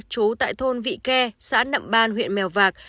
trú tại thôn vị ke xã nậm ban huyện mèo vạc